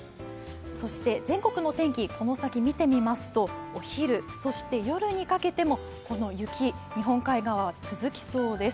そして全国の天気、この先見てみますと、お昼、そして夜にかけても雪、日本海側は続きそうです。